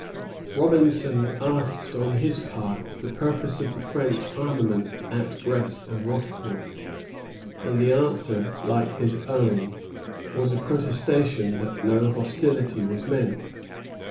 Robinson asked on his part the purpose of the French armament at Brest and Rochefort; and the answer, like his own, was a protestation that no hostility was meant.